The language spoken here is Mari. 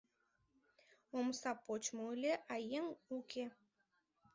Омса почмо ыле, а еҥ уке.